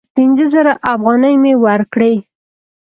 پینځه زره افغانۍ مي ورکړې !